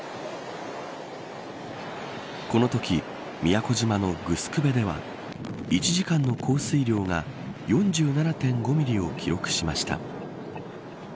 このとき宮古島の城辺は１時間の降水量が４７．５ミリを記録しました。